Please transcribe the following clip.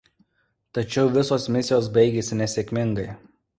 Tačiau visos misijos baigėsi nesėkmingai.